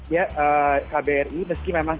ya kbri meski memang